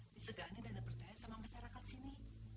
disegani dan dipercaya sama masyarakat sini